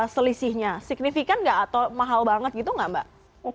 selisihnya signifikan nggak atau mahal banget gitu nggak mbak